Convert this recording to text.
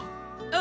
あ！